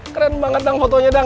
keren banget dang fotonya dang